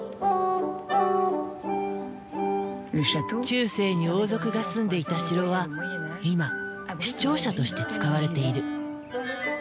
中世に王族が住んでいた城は今市庁舎として使われている。